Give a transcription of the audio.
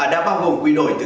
đã bao gồm quy đổi từ